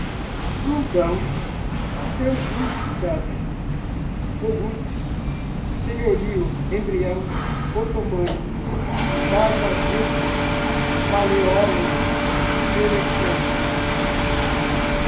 Sultão, seljúcidas, Sogut, senhorio, embrião, otomano, Bajazeto, Paleólogo, Pelecano